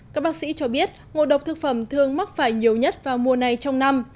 các bác sĩ cho biết ngộ độc thực phẩm thường mắc phải nhiều nhất vào mùa này trong năm